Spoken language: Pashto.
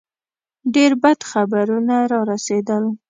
ډېر بد خبرونه را رسېدل.